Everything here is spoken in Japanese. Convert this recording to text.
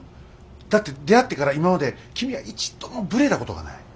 だって出会ってから今まで君は一度もブレたことがない。